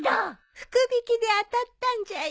福引で当たったんじゃよ。